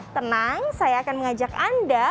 tenang saya akan mengajak anda